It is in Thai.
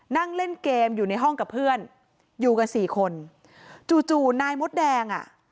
นั่งเล่นเกมอยู่ในห้องกับเพื่อนอยู่กันสี่คนจู่จู่นายมดแดงอ่ะ